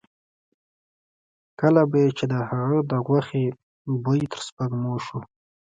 کله به یې چې د هغه د غوښې بوی تر سپېږمو شو.